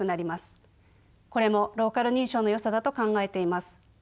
これもローカル認証のよさだと考えています。